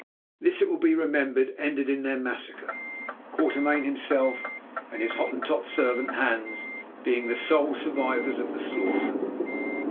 This, it will be remembered, ended in their massacre, Quatermain himself and his Hottentot servant Hans being the sole survivors of the slaughter.